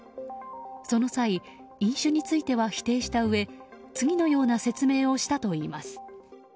その際、飲酒については否定したうえ次のような説明をしたということです。